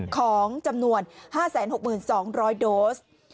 ของจำนวน๕๖๒๐๐โดส